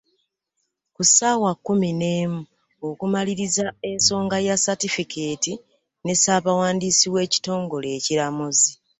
Ku ssaawakkumi n'emu okumaliriza ensonga ya Ssatifikeeti ne Ssaabawandiisi w'ekitongole ekiramuzi.